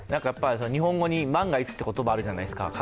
日本語に万が一という言葉があるじゃないですか。